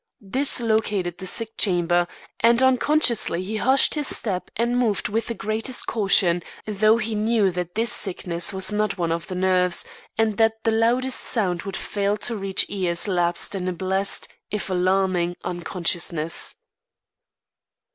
This located the sick chamber, and unconsciously he hushed his step and moved with the greatest caution, though he knew that this sickness was not one of the nerves, and that the loudest sound would fail to reach ears lapsed in a blessed, if alarming, unconsciousness.